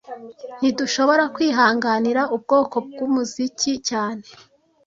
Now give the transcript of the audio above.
Ntidushobora kwihanganira ubwoko bwumuziki cyane